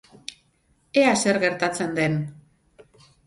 Ea zer gertatzen den.